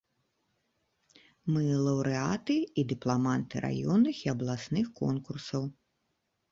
Мы лаўрэаты і дыпламанты раённых і абласных конкурсаў.